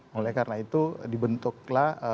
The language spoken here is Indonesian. mulai karena itu dibentuklah